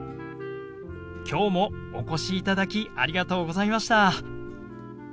きょうもお越しいただきありがとうございました。